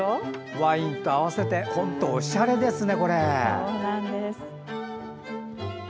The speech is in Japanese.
ワインと合わせて本当おしゃれですね。